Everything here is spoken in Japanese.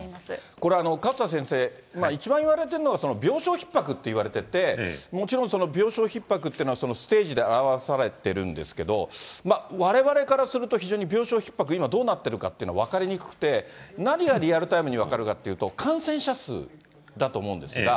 これ、勝田先生、一番いわれているのが病床ひっ迫って言われてて、もちろんその病床ひっ迫っていうのは、ステージで表されてるんですけれども、われわれからすると、非常に病床ひっ迫、今、どうなっているのかっていうのは分かりにくくて、何がリアルタイムに分かるかって、感染者数だと思うんですが。